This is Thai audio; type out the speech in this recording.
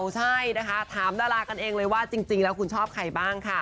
ใช่นะคะถามดารากันเองเลยว่าจริงแล้วคุณชอบใครบ้างค่ะ